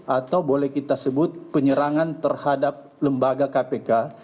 atau boleh kita sebut penyerangan terhadap lembaga kpk